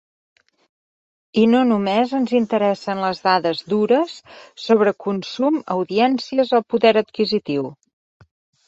I no només ens interessen les dades dures sobre consum, audiències o poder adquisitiu.